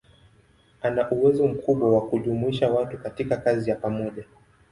Ana uwezo mkubwa wa kujumuisha watu katika kazi ya pamoja.